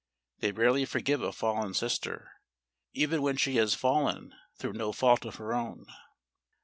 They rarely forgive a fallen sister even when she has fallen through no fault of her own.